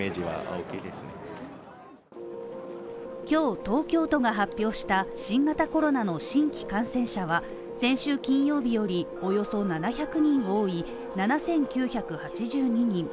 今日、東京都が発表した新型コロナの新規感染者は先週金曜日よりおよそ７００人多い７９８２人。